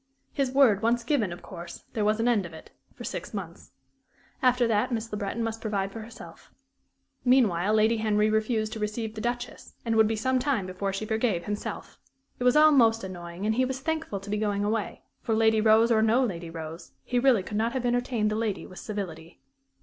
His word once given, of course, there was an end of it for six months. After that, Miss Le Breton must provide for herself. Meanwhile, Lady Henry refused to receive the Duchess, and would be some time before she forgave himself. It was all most annoying, and he was thankful to be going away, for, Lady Rose or no Lady Rose, he really could not have entertained the lady with civility.